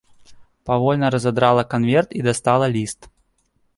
Павольна разадрала канверт і дастала ліст.